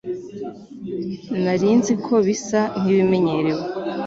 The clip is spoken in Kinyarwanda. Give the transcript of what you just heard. Nari nzi ko bisa nkibimenyerewe